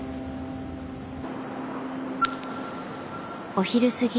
お昼過ぎ。